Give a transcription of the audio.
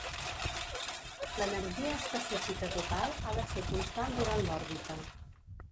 L'energia específica total ha de ser constant durant l'òrbita.